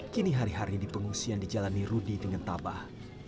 kini hari hari di pengungsian dijalani rudy dengan tabah